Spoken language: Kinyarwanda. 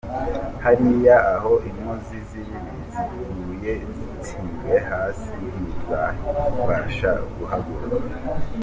Hariya aho inkozi z’ibibi ziguye, Zitsinzwe hasi ntizizabasha guhaguruka.